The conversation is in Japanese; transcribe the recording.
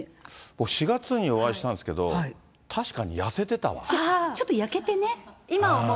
４月にお会いしたんですけど、確かに、ちょっと焼けてね。